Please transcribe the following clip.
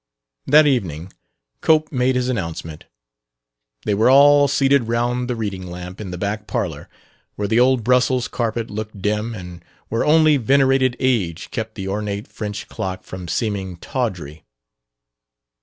That evening Cope made his announcement. They were all seated round the reading lamp in the back parlor, where the old Brussels carpet looked dim and where only venerated age kept the ornate French clock from seeming tawdry.